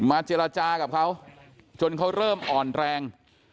เจรจากับเขาจนเขาเริ่มอ่อนแรง